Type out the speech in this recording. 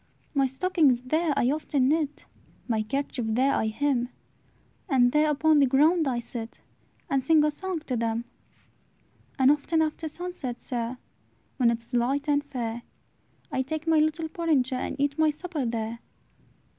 "My stockings there I often knit, My kerchief there I hem; And there upon the ground I sit, And sing a song to them. "And often after sunset, sir, When it is light and fair, I take my little porringer, And eat my supper there.